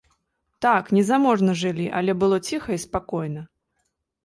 Так, незаможна жылі, але было ціха і спакойна.